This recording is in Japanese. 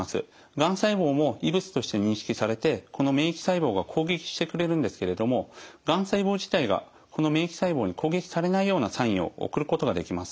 がん細胞も異物として認識されてこの免疫細胞が攻撃してくれるんですけれどもがん細胞自体がこの免疫細胞に攻撃されないようなサインを送ることができます。